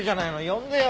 呼んでよ。